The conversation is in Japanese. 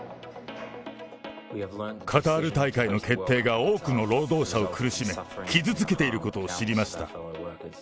カタール大会の決定が多くの労働者を苦しめ、傷つけていることを知りました。